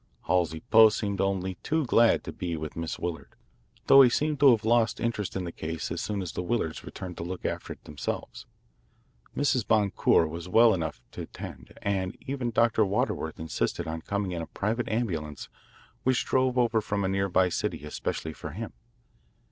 Halsey Post seemed only too glad to be with Miss Willard, though he seemed to have lost interest in the case as soon as the Willards returned to look after it themselves. Mrs. Boncour was well enough to attend, and even Dr. Waterworth insisted on coming in a private ambulance which drove over from a near by city especially for him.